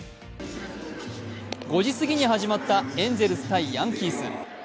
５時過ぎに始まったエンゼルス×ヤンキース。